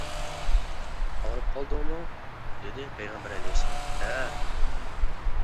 ئاغرىپ قالدىڭمۇ؟ دېدى، پەيغەمبەر ئەلەيھىسسالام ھەئە!